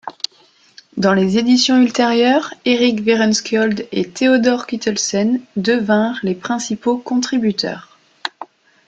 Dans les éditions ultérieures, Erik Werenskiold et Theodor Kittelsen devinrent les principaux contributeurs.